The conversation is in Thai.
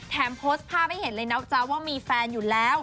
โพสต์ภาพให้เห็นเลยนะจ๊ะว่ามีแฟนอยู่แล้ว